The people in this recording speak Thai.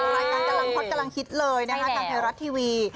รายการกำลังฮอตกำลังฮิตเลยนะคะทางไทยรัฐทีวี